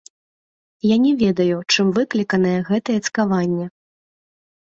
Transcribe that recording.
Я не ведаю, чым выкліканая гэтае цкаванне.